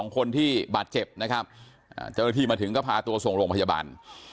คนที่บาดเจ็บนะครับเจ้าหน้าที่มาถึงก็พาตัวส่งโรงพยาบาล